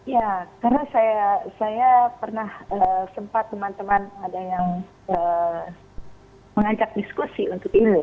ya karena saya pernah sempat teman teman ada yang mengajak diskusi untuk ini